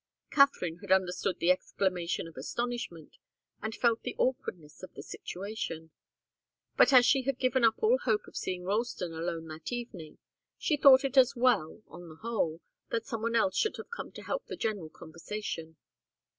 Katharine had understood the exclamation of astonishment, and felt the awkwardness of the situation. But as she had given up all hope of seeing Ralston alone that evening, she thought it was as well, on the whole, that some one else should have come to help the general conversation.